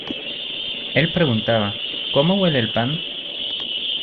Él preguntaba: "¿Cómo huele el pan?